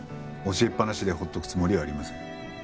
教えっぱなしで放っとくつもりはありません。